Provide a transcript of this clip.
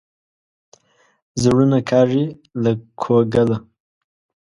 زړونه کاږي له کوګله.